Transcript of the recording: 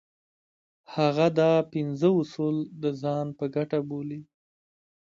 هغه دا پنځه اصول د ځان په ګټه بولي.